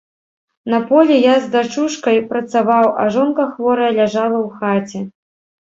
На полі я з дачушкай працаваў, а жонка хворая ляжала ў хаце.